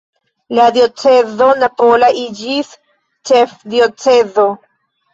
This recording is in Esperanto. La diocezo napola iĝis ĉefdiocezo.